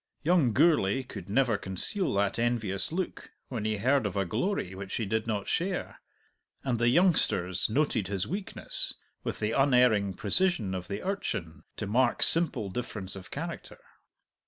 Young Gourlay could never conceal that envious look when he heard of a glory which he did not share; and the youngsters noted his weakness with the unerring precision of the urchin to mark simple difference of character.